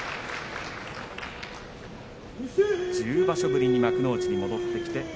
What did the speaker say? １０場所ぶりに幕内に戻ってきて。